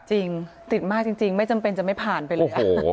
จริงติดมากจริงไม่จำเป็นจะไม่ผ่านไปเลย